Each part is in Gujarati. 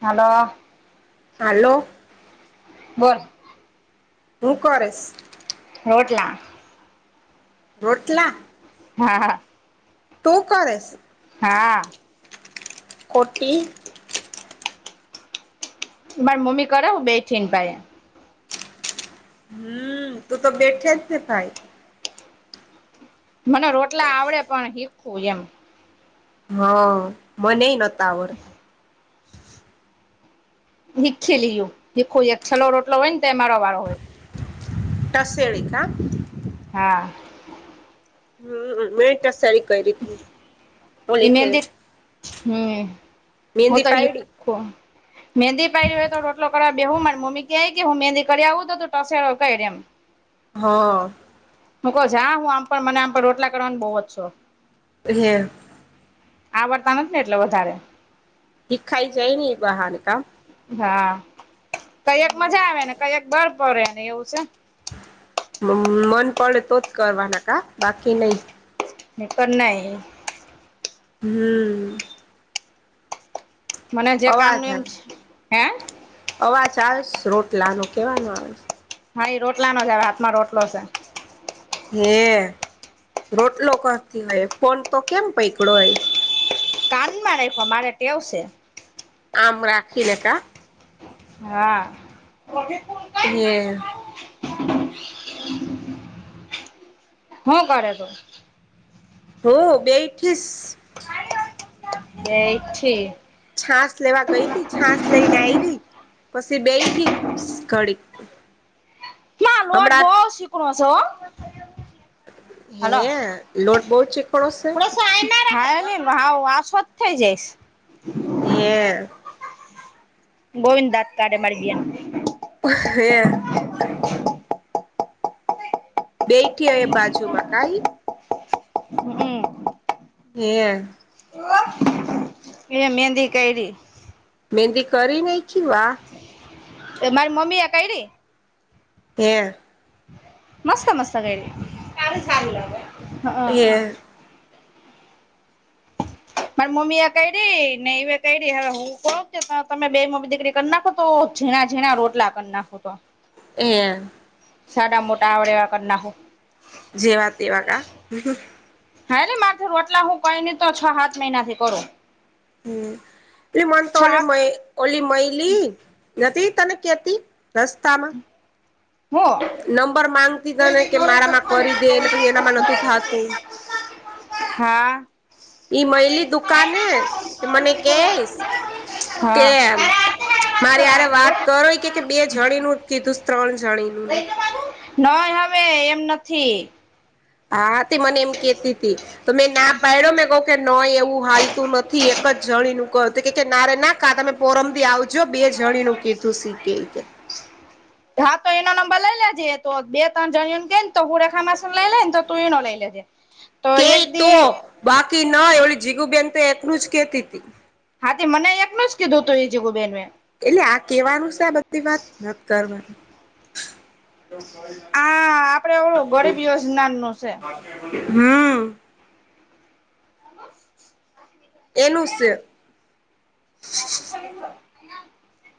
હાલો હાલો બોલ હું કરેશ? રોટલા રોટલા? હા હા તું કરે? હા ખોટી મારે મમ્મી કરે હું બેઠી એન પાહે હમ્મ તું તો બેઠે જ ને ભાઈ મને રોટલા આવડે પણ હીખવું એમ. હા મનેય નતા આવડ- હીખી લીયું હીખું એક છલ્લો રોટલો હોયન તએ મારો વારો હોય. ટસેળી કાં? હા હમ્મ મેય ટસેડી કઈરીતી એ મેદી હમ્મ હો મહેંદી તો પાયડી [unintelligible] મેંદી પાયડી હોય તો રોટલો કરવા બેહું મારી મમ્મી કેય કે હું મેંદી કરી આવું તો તુ ટસેડો કયર એમ હા હું કહ જા હા હું આમ પણ મને આમ પણ રોટલા કરવાનો બહુ જ શોખ. હે આવડતા નથી ને એટલે વધારે. હીખાઈ જઈ ની બહાર તો હા કયેક મજા આવેને કયેક બળ પડેને એવું છે. મન પડે તો જ કરવાના કાં બાકી નહી. નેઇતર નહી. હમ્મ. મને જે અવાજ કામને એમ આવે હે અવાજ આવે રોટલા નો કેવાનો આવે. હા એ રોટલા નો જ હાથ માં રોટલો છે. હે રોટલો કરતી હોય ફોન તો કેમ પૈકડો હોય. [unintelligible] મારે રાઈખો મારે ટેવ સે. આમ રાખીને કા. હા. ઈ હે. હું કરે તું હો બેઠીસ બેયઠી. છાસ લેવા ગઈ હતી છાસ લઈને આવી પછી બેયઠી ઘડીક. [inaudible] હમણાં બી સીકણો સે હો. હે હલો લોટ બહુ ચિકણોસે. હાય ની [unintelligible] જઈશ. એ હે ગોવિંદ દાત કાઢે મારી જેમ. હે. બેયઠી એ બાજુમાં કાઈ હમ્મ. હે. [unintelligible] એ મેદી કરિ. મેદી કરીય નાહીકી વાહ. માર મમ્મી એ કયરી. હે. મસ્ત મસ્ત કઈરી સારુ જ લાગે હવે. એ મારી મમ્મી એ કયરી ને એવે કયરિ હવે હું કોઉકે તમે બે મમ્મી દીકરી કર નાખો તો ઝીણા ઝીણા રોટલા કર નાખો તો. એ હા. સાડા મોટા આવડે એવા કર નાખું. જેવા તેવા કા. હમ્મ હ. હાયરે માત રોટલા હું કઈ ન તો છ હાત મહિના થી કરું. હમ્મ એ મન તો છ ઓલી સાત મ ઓલી મયલી નતી તને કેતી રસ્તામાં. હો. નંબર માંગતી તને કે મારામાં કરી દે ને પછી એનામાં નતું થતું [inaudible] હા. ઈ મઈલી દુકાને તો મને કેશ તે હા મારે હારે વાત કરો કે બે જડીનું ના હવે એમ નથી. હા તે મને એમ કેતી તી. તો મેં ના પાડ્યો મેં કહ કે નય એવું હાલતું નથી એક જ જાણી ન કર તો ઇત કે નારે ના કા તમે પોરમથી આવજો બે જણી નું કીધું શીકે ઇકે. હા તો એનો નંબર લઈ લેજેએ તો બે ત્રણ જણીયોન કેને તો હું રેખા માસી ન લઈ લે ને તો તું એનો લઈ લેજે. તો કે એક તો દી બાકી ના એવલી જીગું બેન તો એટલુંજ જ કેતી હા, તે મને એકનું જ કીધુતુ એ જીગુ બેનએ. એટલે આ કેવાનું સે બધી વાત નથી કરવાની આ આપડે ઓલું ગરીબ યોજના નું છે. હમ [inaudible] એનુ સે અયા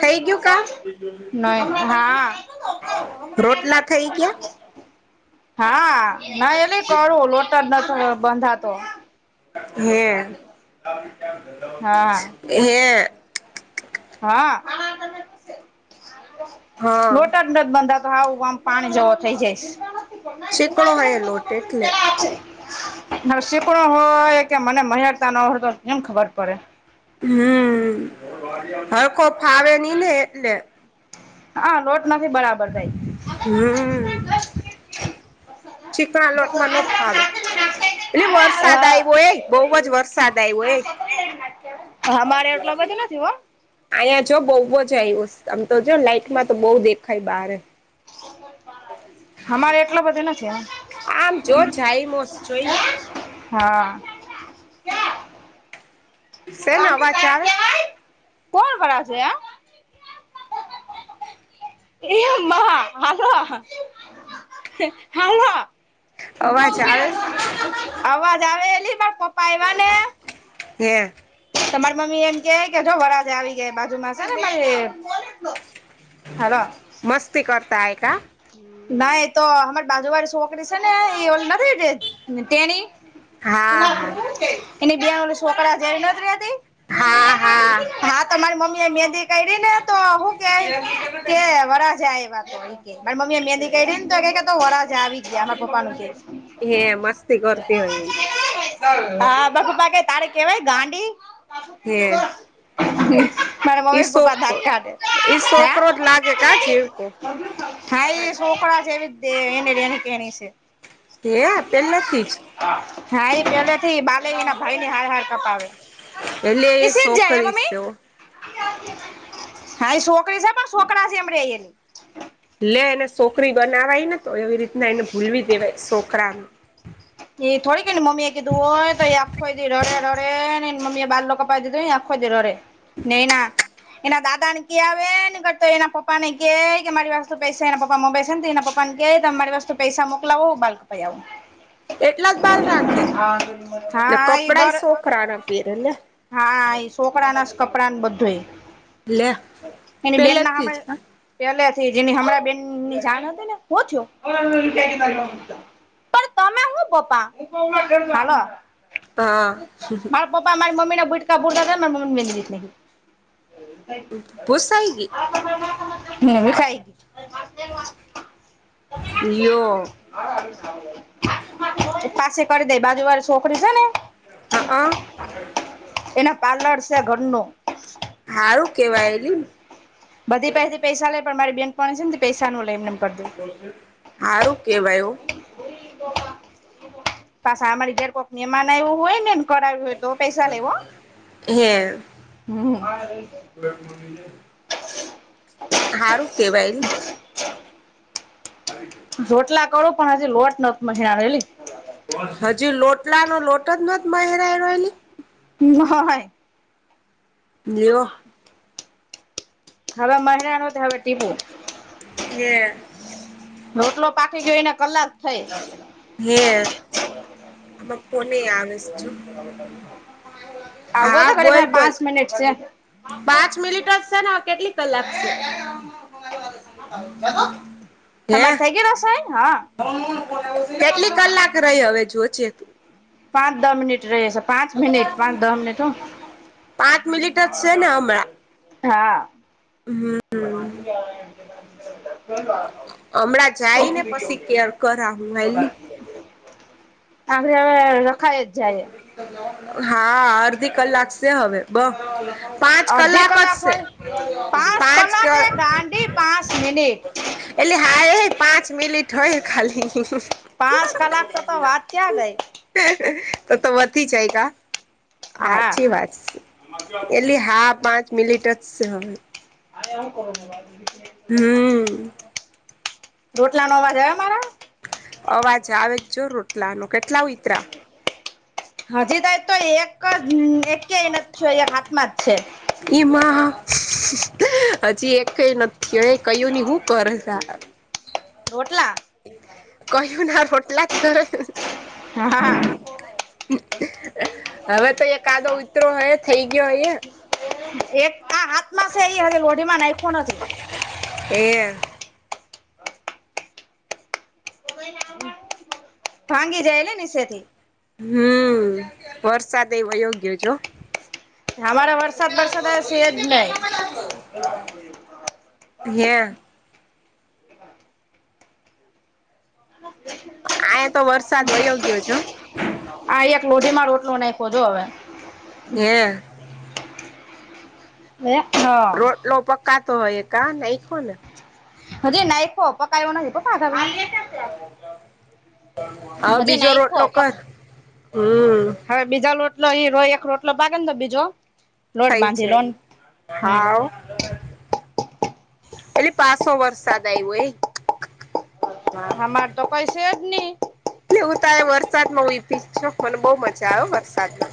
થઈ ગયું કામ સે નઈ રોટલા થઈ ગયા ના [inaudible] હા ના એટલે એ કરું લોટ જ નતો બંધાતો હૈ હા હે હા હા લોટજ નથ બંધાતો હાવ આમ પાણી જેવો થઈ જાઈશ ચીકણો હોય લોટ એટલે ચણા અસે નસી પણ હોય કે મને મય હકતા ના હોય તો કેમ ખબર પડે હમમ હરખો ફાવે ની ને એટલે હા લોટ નથી બરાબર થાય હમમ ચીકણા લોટમાં નો ભાવે અલી હ વરસાદ આયવો એ બહુજ વરસાદ આયો એ હમારે એટલો બધી નથી હો અહીયા જો બહુજ આયવોસ આમ તો જો લાઈટ માં તો બહુ દેખાય બારે હમ હમારે એટલા બધું નથી હો આમ જો જાયમોસ જોઈ હૈ ને હા શેના અવાજ આવે કોણ કરા છે, આ એ માં હાલો હાલો અવાજ આવે અવાજ આવેલી મા પપ્પા આયવા હે તમાર મમ્મી એમ કેવાય કે જો વર રાજા આવી ગયા બાજુમાં સે ને મારી હાલો મસ્તી કરતા હે કા ના એતો અમાર બાજુ વાળી છોકરી સે ને એ ઓલી નથી ટેની હા હા એની બે ઓલા સોકરા જેવી નથ રેતી હા તો મારી મમ્મી એ મેંદી કાયઢી ને તો હું કેય કે વરાજા આયવા તો એમ કે માર મમ્મી એ મેંદી કાઢીને તો કે તો વર રાજા આવી ગયા માર પપ્પાનું કે હે મસ્તી કરતી હોય, એ હા માર પપ્પા કે તારે કેવાય ગાંડી હે મારા ઈ મમ્મી પપ્પા દાંત શોક કાઢે ઈ છોકરો જ લાગે કા જીવકો હા એ સોકરા છે એવી જ દે એની રેનીકેણી છે. કે હે પેલેથીજ હા એ પેલેથી બાલ એય એના ભાઈ ની હાર હાર કપાવે એટલે એ સીજ જાય હે સોકરી મમ્મી સે હો હા એ સોકરી છે પણ છોકરા જેમ રે એ લે એને સોકરી બના વાય ને તો એવી રીતના એને ભૂલવી દેવાય સો ને એ થોડી કે એન મમ્મી એ કીધું હોય તો એ આખોય એ રરે રરે ન મમી એ બાાર લોકો કપ દીધું આખો દી રરેે ને એના એના દાદાને કી આવે નકરતો એના પપ્પાને કે કે મારી વાસ્તુ પૈસા એના પપ્પા મમબઈ સેન તો એના પપ પપ્પા ન કે તમ માર વાસ્તુ પૈસા મોકલાવો હું બાર નું ખઈ આવુ એટલા જ બાલ રાખે ને હા એ કપડાય દર સોખરા ના પહેરે ને હા એ છોકડા ના જ કપડાં ને બધુંય લે [unintelligible] એની બેનના પેલેથી હામે જ પેલે થી જેની હમણાં બેનની જાણ હતી ને હું થ્યુ? [unintelligible] પોપા [unintelligible] હાલો હા પોપા મારી મમ્મી ના બુટકા બુળ [unintelligible] ભૂસાય ગે [unintelligible] ખાય લ્યો હા [unintelligible] પાસે કર દે બાજુ વાર છોકરી છેને હા-અ એના પાર્લર છે ઘરનું હારું કેવાયલી બધી પૈહેથી પૈસા લે પણ મારી બેન પાસેથી પૈસા ન લે એમ-એમ હારું કેવાય ઓ [unintelligible] પાસા અમારી ગેર કોક મેમાન એવું હોય ને કરાવ્યું તો પૈસા લેવો હે [unintelligible] હારું કેવાયલ રોટલા કરો પણ હજી લોટ ન મહેરાયેલી હજુ લોટલા નો લોટ જ [unintelligible] મયરા એલી [unintelligible] [inaudible] હવે મહેરાણું તો હવે ટીપુ એ રોટલો પાકી ગેયને કલાક થઈ. હે આમાં કોને આવેસ છું? આવો તો ખરેખરે પાંચ મિનિટ સે. પાંચ મિલીટ જ સે ને હ-કેટલી કલાક છે? [unintelligible] [unintelligible] હે તમારે થઈ ગઈ રસોઈ હા [unintelligible] કેટલી કલાક રહી હવે જો છે, તું? પાંચ દહ મિનિટ રેય સે. પાંચ મિનિટ. પાંચ દહ મિનિટ હો. પાંચ મિલિટ જ સે ને હમણાં? હા [unintelligible] હમ હમણાં [unintelligible] જાય તો ને પછી કેર કરા હું હાલની [unintelligible] આકળ હવે રખાય જ જાય. હા અડધી કલાક. હવે બઉ પાંચ અડધી કલાક જ છે, હોય પાંચ કલાક ક એ ગાંડી પાંચ મિનિટ. એટલે હાય પાંચ મિલીટ [unintelligible] ખાલી પાંચ કલાક તો તો વાત કયાં ગઈ? તો તો વધી જાય હા [unintelligible] એલી હા પાંચ મિલીટ જ સે હવે. આયા હું કરો છો ભાઈ? હમ. રોટલા નો અવાજ આયો મારા? અવાજ આવેજ જો રોટલા નો કેટલાઓ ઈતરા હાજી તાઈ તો એક જ એકેય [unintelligible] થઈ એક હાથમાં જ છે. [unintelligible] હજી એકેય નત થીયઈ કયું ની હું [unintelligible] રોટલા. કહ્યુના [unintelligible] હા-હા-હા હવે તો એ કાદો ઉતરો હય થઈ ગયો હય. એક આ હાથમાં છે, [unintelligible] લોઢીમાં નાખો નથી. એ. [unintelligible] ભાંગી જાય ને નીચેથી. હમ્મ વરસાદ એ [unintelligible] ગયો જો. હમાર વરસાદ બરસાદ શે જ નહી. [unintelligible] આય તો વરસાદ વયો ગયો [unintelligible] આ એક લોઢીમાં રોટલો નાખયો જો હવે. હે. એ હા. રોટલો પકાતો હોય એ કા ને નાય ખો ને અરે નાયખો પકાયો નહી [unintelligible] હ બીજો રોટલો નાયખો પક કર હમ્મ. હવે બીજા લોટલો અહી રો એક લોટલો ભાગને બીજો. લોટ થઈ બાંધી લોન જાય હમ હા હો. એટલે પાસો વરસાદ આવ્યો એ હા. અમાર તો કઈ છે જ નહી એટલે હું તય વરસાદમાં હુતી છું મને બહુ મજા આવે વરસાદમાં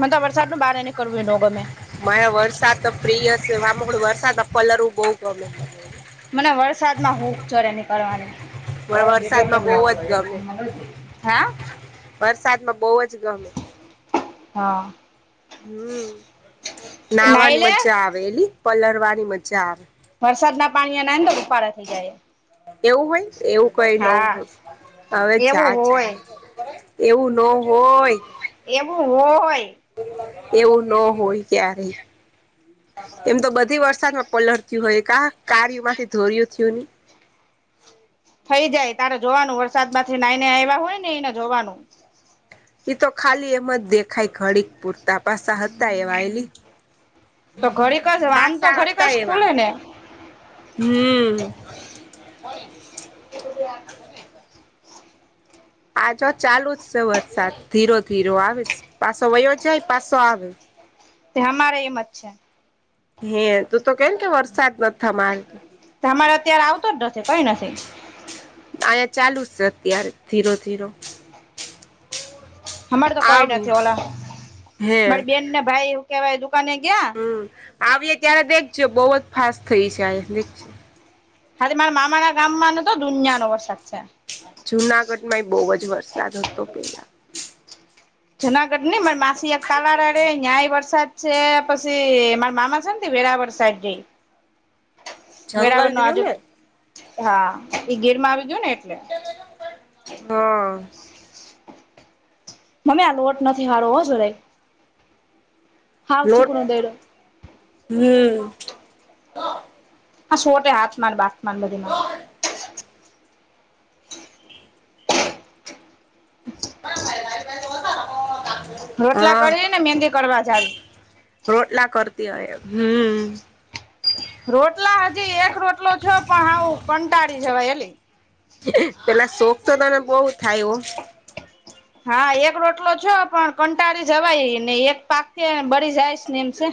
મન તો વરસાદ નું બહાર નીક કરવું એ ન ગમે મારે વરસાદ તો પ્રિય છે વામક વરસાદ પલરવું બહુ ગમે મને વરસાદ માં હુંખ ચરે હે નીકળવાની મને વરસાદમાં બહુ જ ગમે [unintelligible] હા. વરસાદમાં બહુ જ ગમે હા. હમ્મ નાઈ નાહવાની લે મજા આવે એલી પલળવાની મજા આવે વરસાદ ના પાણી ના ને તો રૂપાડા થઇ જાય એવું હોય એવું કઈ ન હા હોય હવે એવું જાજ હોય એવું ન હોય. એવું હોય. એવું ન હોય ક્યારે એમ તો બધી વરસાદમાં પલળતી હોય કા કારમાંથી ધોર્યું થયું ને થઈ જાય તારે જોવાનું વરસાદ માંથી નાઈ ને આવ્યા હોય ને એને જોવાનું તો ખાલી એમ જ દેખાય ઘડીક પૂરતા પાસા હતા એવાયલી તો ઘડીક જ વાન તો પાસા ઘડીક હતા જ એવા. ખુલે ને હમ્મ. એ બધું આની કરશે. આજો ચાલુ જ છે વરસાદ ધીરો ધીરો આવે પાછો વયો જાય પાછો આવે તે અમારે એમ જ છે. હે તું તો કેમ કે વરસાદ ન થ માર અમારે અત્યારે આવતો જ નથી કઈ નથી. અહીયા ચાલુ છે અત્યારે ધીરો ધીરો અમાર તો કોઈ આવ્યું નથી ઓલા હે મારી બેનને ભાઈ કેવાય દુકાને ગયા હમ્મ આવીએ ત્યારે દેખજો બહુ જ ફાસ્ટ થઈ જાય આ દેખજે ખાલી માર માામા ગામાને તો દૂનિયા નો વરસાદ છે. જુનાગઢમાં એ બહુ જ વરસાદ હતો પેલા. જુનાગઢ ને મારે માસી એક તાલાળ રે ત્યાંય વરસાદ છે પછી મારા મામા છે ને વેરાવળ સાઈડઈ વેરાવર જંગલ નો રહ્યું આજુ ને હા એઈ ગીર માં આવી ગયયો ને એટલે હા મમ્ી આ લોટ નથી સારો હો જોો ભાઈ સૂકનો નોટ દયડો હમ હા શોટે હાથ માર બાથમાર બધી માં હલા ક રોટલા કરી ને મહેંદી કરવા જ આવી રોટલા કરતી હોય હમ રોટલા હજી એક રોટલો છો પણ હું કંટાળી જવાય એલી પેલા શોખ તો તને બહ થાય એ હા એક રોટલો છો પણ કંટાળી જવાય ને એક પાક બળ જાય સ નેમસે